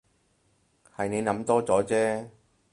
係你諗多咗啫